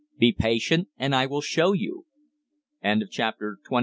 "Be patient, and I will show you." CHAPTER XXVII.